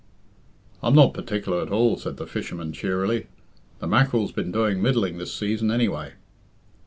"I'm not partic'lar at all," said the fisherman cheerily. "The mack'rel's been doing middling this season, anyway."